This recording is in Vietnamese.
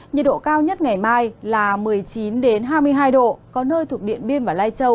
nhiệt độ cao nhất ngày mai là một mươi chín hai mươi hai độ có nơi thuộc điện biên và lai châu